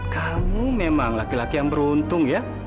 kamu memang laki laki yang beruntung ya